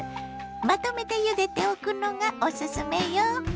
まとめてゆでておくのがおすすめよ。